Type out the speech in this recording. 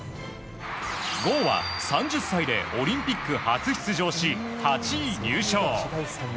郷は、３０歳でオリンピック初出場し、８位入賞。